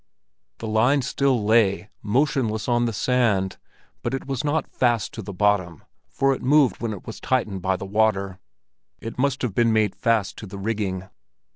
The line still lay, motionless on the sand, but it was not fast to the bottom, for it moved when it was tightened by the water; it must have been made fast to the rigging.